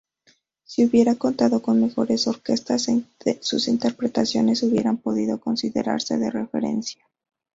Si hubiera contado con mejores orquestas sus interpretaciones hubieran podido considerarse de referencia.